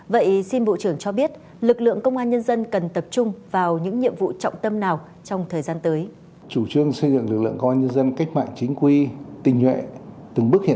vậy xin bộ trưởng cho biết lực lượng công an nhân dân cần tập trung vào những nhiệm vụ trọng tâm nào trong thời gian tới